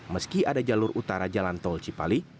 meski ada jalur utara jalan tol cipali